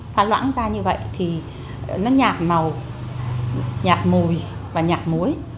pha loãng ra như vậy thì nó nhạt màu nhạt mùi và nhạt muối